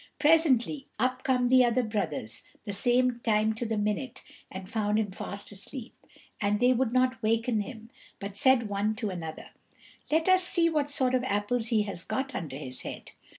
Presently up come the other brothers the same time to the minute, and found him fast asleep; and they would not waken him, but said one to another, "Let us see what sort of apples he has got under his head."